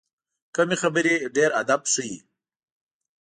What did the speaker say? کمې خبرې، ډېر ادب ښیي.